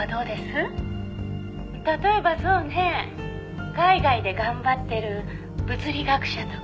「例えばそうねえ海外で頑張ってる物理学者とか」